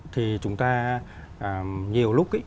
thì chúng ta nhiều lúc ấy